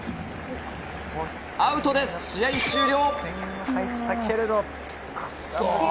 アウトです、試合終了！